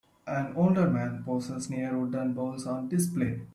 An older man poses near wooden bowls on display.